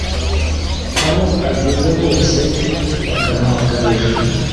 aho ageze hose bakamuhakanira.